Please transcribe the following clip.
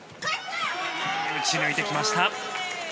打ち抜いてきました。